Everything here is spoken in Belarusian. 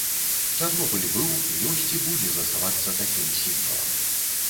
Чарнобыль быў, ёсць і будзе заставацца такім сімвалам.